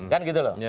kan gitu loh